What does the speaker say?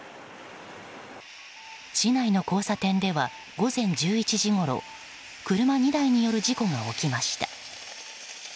市内の交差点では午前１１時ごろ車２台による事故が起きました。